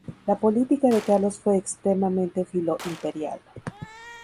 La política de Carlos fue extremamente filo-imperial.